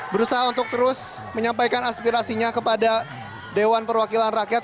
berusaha untuk terus menyampaikan aspirasinya kepada dewan perwakilan rakyat